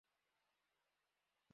বাবাকে গিয়ে দেখো!